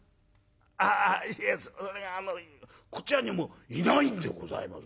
「ああいえそれがあのこちらにもういないんでございます。